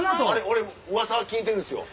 俺うわさは聞いてるんですよ。